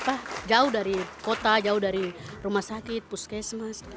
apa jauh dari kota jauh dari rumah sakit puskesmas